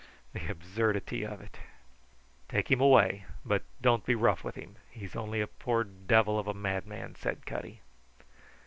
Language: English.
The absurdity of it! "Take him away. But don't be rough with him. He's only a poor devil of a madman," said Cutty.